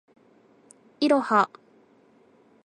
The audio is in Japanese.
いろは